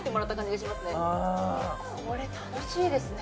これ楽しいですね